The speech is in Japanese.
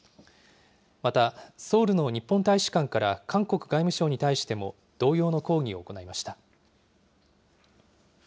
また、ソウルの日本大使館から韓国外務省に対しても同様の抗議を行いました。